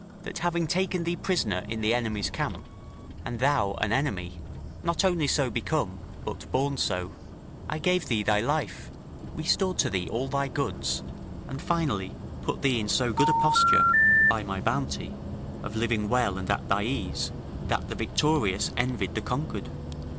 ] that having taken thee prisoner in the enemy's camp, and thou an enemy, not only so become, but born so, I gave thee thy life, restored to thee all thy goods, and, finally, put thee in so good a posture, by my bounty, of living well and at thy ease, that the victorious envied the conquered.